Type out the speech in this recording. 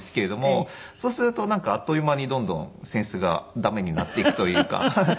そうするとなんかあっという間にどんどん扇子が駄目になっていくというか。